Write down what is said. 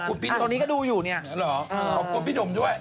ตรงนี้ก็ดูอยู่นี๊ฮือขอบคุณพี่หนุ่มด้วย